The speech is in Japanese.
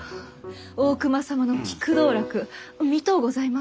大隈様の菊道楽見とうございます。